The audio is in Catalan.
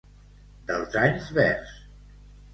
Dels anys verds.